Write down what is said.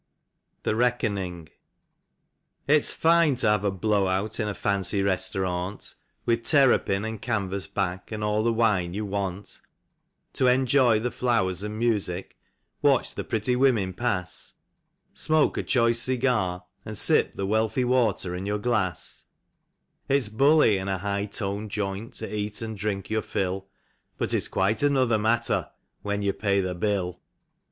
43 THE EECKONING. It's fine to have a blow out in a fancy restaurant, With terrapin and canvas back and all the wine you want; To enjoy the flowers and music, watch the pretty women pass, Smoke a choice cigar, and sip the wealthy water in your glass ; It's bully in a high toned joint to eat and drink your fill. But it's quite another matter when you Pay the bill.